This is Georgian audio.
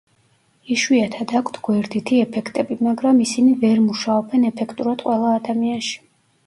იშვიათად აქვთ გვერდითი ეფექტები, მაგრამ ისინი ვერ მუშაობენ ეფექტურად ყველა ადამიანში.